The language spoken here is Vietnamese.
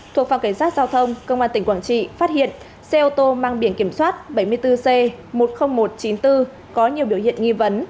thuộc phòng cảnh sát giao thông công an tỉnh quảng trị phát hiện xe ô tô mang biển kiểm soát bảy mươi bốn c một mươi nghìn một trăm chín mươi bốn có nhiều biểu hiện nghi vấn